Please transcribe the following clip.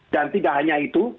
dan tidak hanya itu